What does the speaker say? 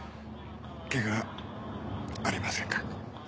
ケガありませんか？